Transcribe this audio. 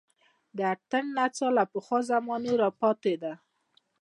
د اتڼ نڅا له پخوا زمانو راپاتې ده